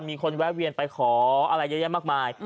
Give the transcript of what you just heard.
มีคนแวะเวียนไปขออะไรเยอะแยะมากมาย